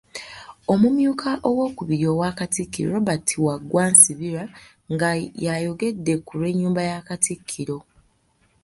Omumyuka Owookubiri owa Katikkiro, Robert Waggwa Nsibirwa nga yayogedde ku lw'enyumba ya Katikkiro.